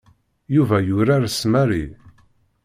Yuba yurar s Mary.